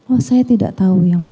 oh saya tidak tahu yang mulia